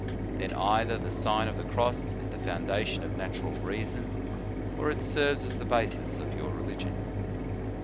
Then either the Sign of the Cross is the foundation of natural reason, or it serves as the basis of your religion."